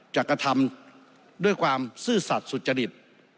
กระทำด้วยความซื่อสัตว์สุจริต